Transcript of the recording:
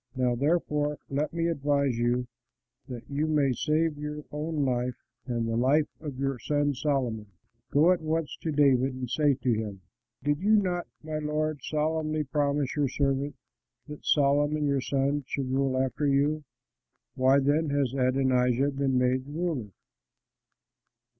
Now, therefore, let me advise you that you may save your own life and the life of your son Solomon. Go at once to David and say to him, 'Did you not, my lord, solemnly promise your servant that Solomon your son should rule after you? Why then has Adonijah been made ruler?'